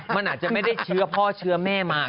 มันอาจจะไม่ได้เชื้อพ่อเชื้อแม่มา